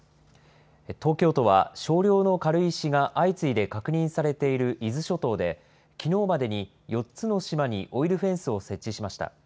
東京都は少量の軽石が相次いで確認されている伊豆諸島で、きのうまでに４つの島にオイルフェンスを設置しました。